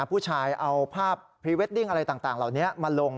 ผู้ชายเอาภาพพรีเวดดิ้งอะไรต่างเหล่านี้มาลง